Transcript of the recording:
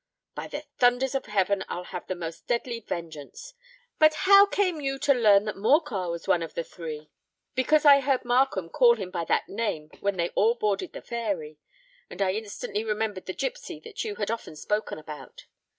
By the thunders of heaven, I'll have the most deadly vengeance! But how came you to learn that Morcar was one of the three?" "Because I heard Markham call him by that name when they all boarded the Fairy; and I instantly remembered the gipsy that you had often spoken about.